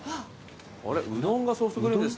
あれうどんがソフトクリームですって。